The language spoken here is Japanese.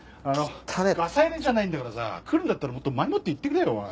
ガサ入れじゃないんだからさ来るんだったらもっと前もって言ってくれよおい。